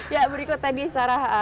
ya berikut tadi sarah